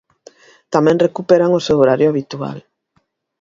Tamén recuperan o seu horario habitual.